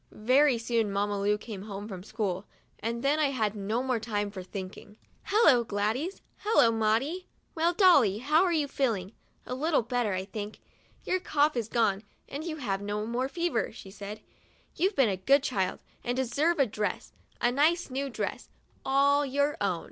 Very soon Mamma Lu came home from school, and then I had no more time for thinking. "Hello, Gladys! Hello, Maudie! Well, Dolly, how are you feeling ? A little better, I think. Your cough's gone, and you have no more fever," she said; 'you've been a good child and deserve a dress — a nice new 44 WEDNESDAY— I GET A NEW DRESS dress, all your own.